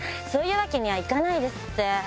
そういうわけにはいかないですって。